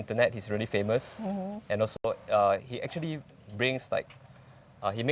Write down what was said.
dan berapa lama itu membutuhkan kamu